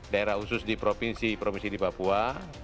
daerah khusus di provinsi provinsi di papua